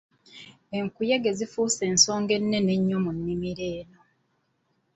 Enkuyege zifuuse ensonga ennene ennyo mu nnimiro eno.